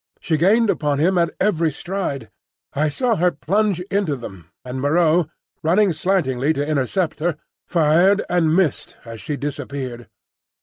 She gained upon him at every stride. I saw her plunge into them, and Moreau, running slantingly to intercept her, fired and missed as she disappeared.